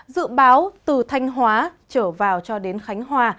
dự báo từ thanh hóa trở vào cho đến khánh hòa